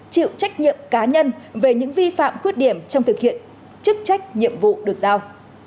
chịu trách nhiệm cá nhân về những vi phạm khuyết điểm trong thực hiện chức trách nhiệm vụ được giao